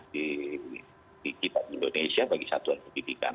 di kita di indonesia bagi satuan pendidikan